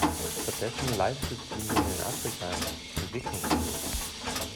Stattdessen leistet sie nun in Afrika Entwicklungshilfe.